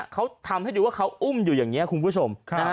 เขาทำให้ดูว่าเขาอุ้มอยู่อย่างนี้คุณผู้ชม